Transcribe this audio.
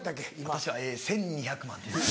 私は１２００万円です。